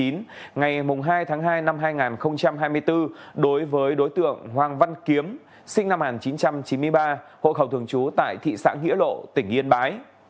ngày hai tháng hai năm hai nghìn hai mươi bốn đối với đối tượng hoàng văn kiếm sinh năm một nghìn chín trăm chín mươi ba hộ khẩu thường trú tại thị xã nghĩa lộ tỉnh yên bái